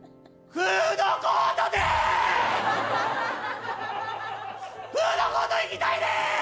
フードコート行きたいねん！